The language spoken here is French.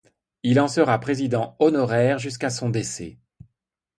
Il en sera président honoraire jusqu'à son décès.